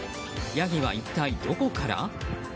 ヤギは一体どこから？